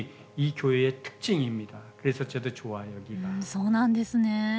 そうなんですね。